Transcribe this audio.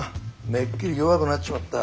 めっきり弱くなっちまった。